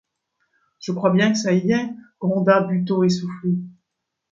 Je crois bien que ça y est, gronda Buteau essoufflé.